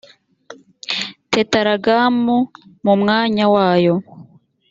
tetaragaramu mu mwanya wayo